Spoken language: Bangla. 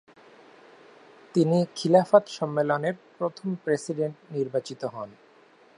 তিনি খিলাফত সম্মেলনের প্রথম প্রেসিডেন্ট নির্বাচিত হন।